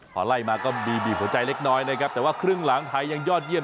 พอไล่มาก็มีบีบหัวใจเล็กน้อยนะครับแต่ว่าครึ่งหลังไทยยังยอดเยี